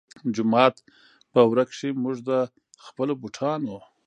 جومات پۀ ورۀ کښې مونږ د خپلو بوټانو